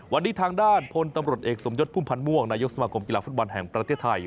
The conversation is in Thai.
วันนี้ทางด้านพลตำรวจเอกสมยศพุ่มพันธ์ม่วงนายกสมาคมกีฬาฟุตบอลแห่งประเทศไทย